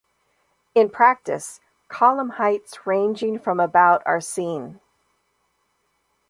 In practice, column heights ranging from about are seen.